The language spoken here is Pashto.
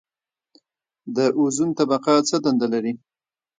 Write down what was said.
د اوزون طبقه څه دنده لري؟